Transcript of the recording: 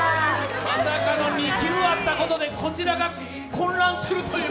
まさかの２球あったことで、こちらが混乱するという。